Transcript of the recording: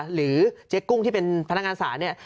หรือเจ๊กุ้งที่เป็นพนักงานศาลเนี่ย